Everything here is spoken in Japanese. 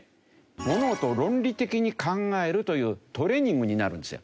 物事を論理的に考えるというトレーニングになるんですよ。